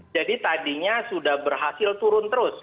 tadinya sudah berhasil turun terus